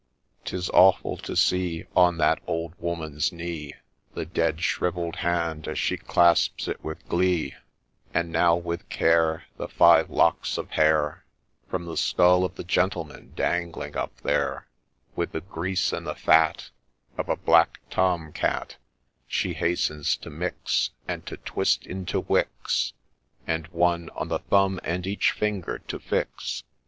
—— 'Tis awful to see On that Old Woman's knee The dead, shrivell'd hand, as she clasps it with glee I— And now, with care, The five locks of hair From the skull of the Gentleman dangling up there, With the grease and the fat Of a black Tom Cat She hastens to mix, And to twist into wicks, And one on the thumb, and each finger to fix.